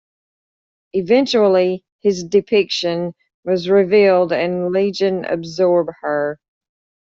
Eventually his depiction was revealed and Legion absorb her.